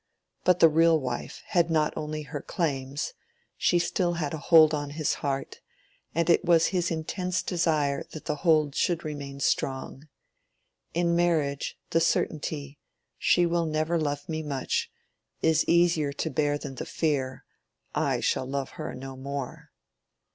But the real wife had not only her claims, she had still a hold on his heart, and it was his intense desire that the hold should remain strong. In marriage, the certainty, "She will never love me much," is easier to bear than the fear, "I shall love her no more."